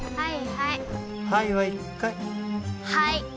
はい。